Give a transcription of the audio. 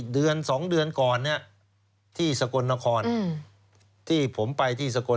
เดือนสองเดือนก่อนเนี่ยที่สกลหน้าคอนอืมที่ผมไปที่สกล